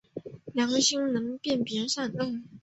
良心能分辨善恶。